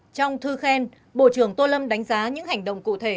trong thư khen bộ trưởng tô lâm đánh giá những hành động cụ thể